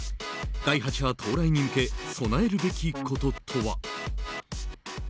第８波到来に向け備えるべきこととは？